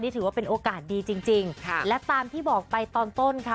ถือว่าเป็นโอกาสดีจริงจริงค่ะและตามที่บอกไปตอนต้นค่ะ